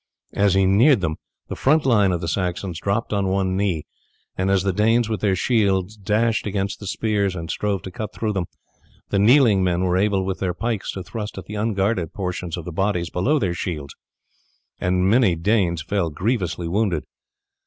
As he neared them the front line of the Saxons dropped on one knee, and as the Danes with their shields dashed against the spears and strove to cut through them, the kneeling men were able with their pikes to thrust at the unguarded portions of the bodies below their shields, and many fell grievously wounded.